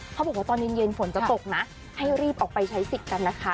เขาบอกว่าตอนเย็นฝนจะตกนะให้รีบออกไปใช้สิทธิ์กันนะคะ